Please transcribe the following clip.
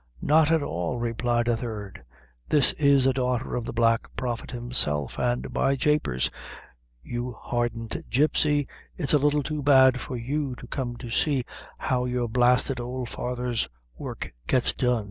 "Not at all," replied a third; "this is a daughter of the Black Prophet himself; and, by japers, you hardened gipsey, it's a little too bad for you to come to see how your blasted ould father's work gets on.